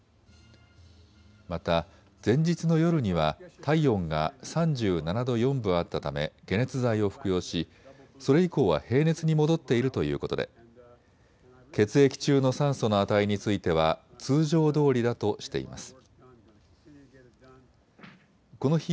また前日の夜には体温が３７度４分あったため解熱剤を服用し、それ以降は平熱に戻っているということで血液中の酸素の値については通常どおりだとしています。